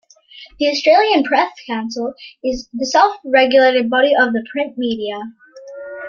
The Australian Press Council is the self-regulatory body of the print media.